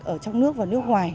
ở trong nước và nước ngoài